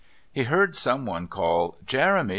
He heard someone call, "Jeremy!